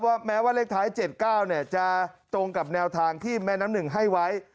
แม้ว่าเลขท้าย๗๙จะตรงกับแนวทางที่แม่น้ำหนึ่งให้ไว้